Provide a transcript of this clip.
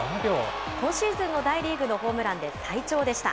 今シーズンの大リーグのホームランで最長でした。